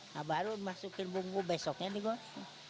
nah baru masukin bumbu besoknya nih gue